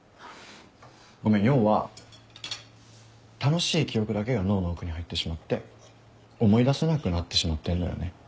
ごめん要は楽しい記憶だけが脳の奥に入ってしまって思い出せなくなってしまってんのよね。